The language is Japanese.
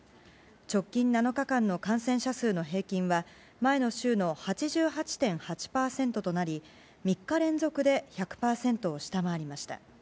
直近７日間の感染者数の平均は、前の週の８８．８％となり、３日連続で１００％を下回りました。